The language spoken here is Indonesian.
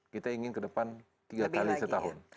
kita ingin ke depan tiga x satu tahun